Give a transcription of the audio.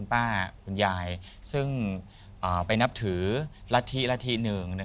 ป้าคุณยายซึ่งไปนับถือรัฐธิละทีหนึ่ง